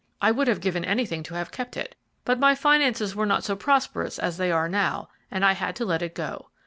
I would have given anything to have kept it, but my finances were not so prosperous as they are now, and I had to let it go.